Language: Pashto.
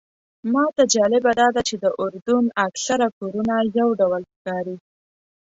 ماته جالبه داده چې د اردن اکثر کورونه یو ډول ښکاري.